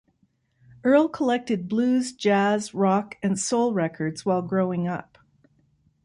Earl collected blues, jazz, rock and soul records while growing up.